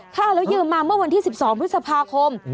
ถ้าเอาแล้วยืมมาเมื่อวันที่๑๒พฤษภาคม